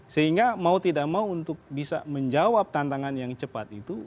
sehingga mau tidak mau untuk bisa menjawab tantangan yang cepat itu